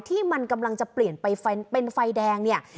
ที่มันกำลังจะเปลี่ยนไปเป็นไฟแดงเนี่ย